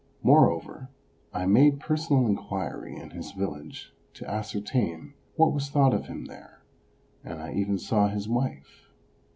Moreover, I made personal inquiry in his village to ascertain what was thought of him there, and I even saw his wife.